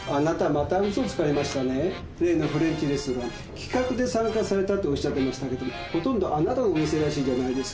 「企画で参加された」とおっしゃってましたけれどもほとんどあなたのお店らしいじゃないですか。